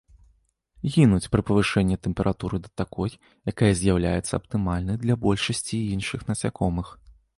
Гінуць пры павышэнні тэмпературы да такой, якая з'яўляецца аптымальнай для большасці іншых насякомых.